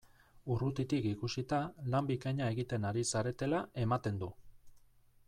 Urrutitik ikusita, lan bikaina egiten ari zaretela ematen du!